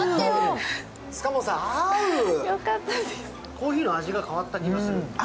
コーヒーの味が変わった気がする。